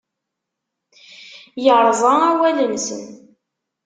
Yerẓa awal-nsen.